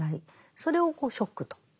それをショックと。